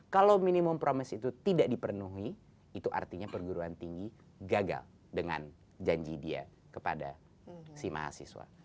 kalau minimum promise itu tidak dipenuhi itu artinya perguruan tinggi gagal dengan janji dia kepada si mahasiswa